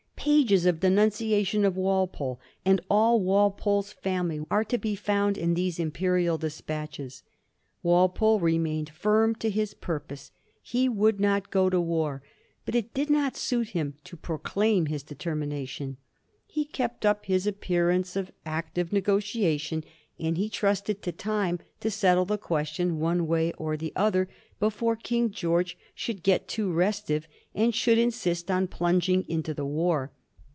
Pages of denunciation of Wal pole and all Walpole's family are to be found in these im perial despatches. Walpole remained firm to his purpose. He would not go to war, but it did not suit him to pro claim his determination. He kept up his appearance of active negotiation, and he trusted to time to settle the question one way or the other before King George should get too restive, and should insist on plunging into the war.